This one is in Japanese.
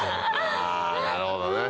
なるほどね。